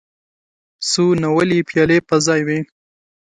څو ناولې پيالې په ځای وې.